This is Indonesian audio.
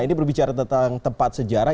ini berbicara tentang tempat sejarah